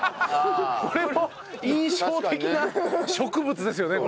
これも印象的な植物ですよね